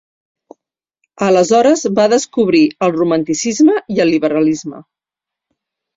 Aleshores va descobrir el Romanticisme i el Liberalisme.